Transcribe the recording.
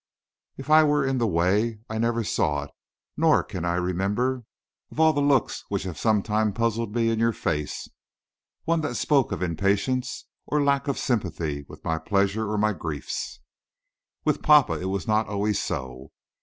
If I were in the way I never saw it, nor can I remember, of all the looks which have sometimes puzzled me in your face, one that spoke of impatience or lack of sympathy with my pleasures or my griefs. With papa it was not always so.